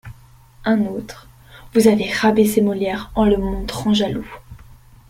Un autre :« Vous avez rabaissé Molière en le montrant jaloux.